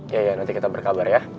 iya ya nanti kita berkabar ya